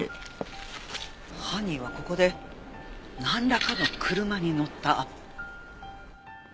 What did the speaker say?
犯人はここでなんらかの車に乗った。